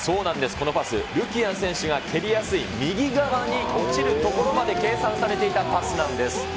このパス、ルキアン選手が蹴りやすい右側に落ちるところまで計算されていたパスなんです。